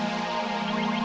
akhirnya di sana bos